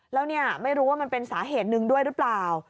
แล้วเนี่ยไม่รู้ว่ามันเป็นสาเหตุหนึ่งด้วยหรือเปล่า